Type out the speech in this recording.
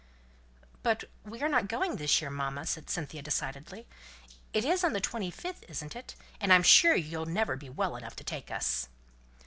"But we are not going this year, mamma," said Cynthia decidedly. "It's on the 25th, isn't it? and I'm sure you'll never be well enough to take us."